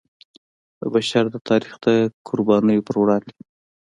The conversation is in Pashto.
د بشر د تاریخ د قربانیو پر وړاندې.